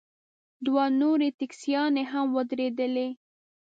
دوه نورې ټیکسیانې هم ودرېدلې.